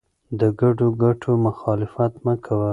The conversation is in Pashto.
د ګډو ګټو مخالفت مه کوه.